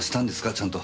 ちゃんと。